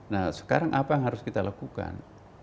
nah sekarang apa yang harus kita lakukan